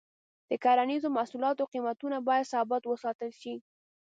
د کرنیزو محصولاتو قیمتونه باید ثابت وساتل شي.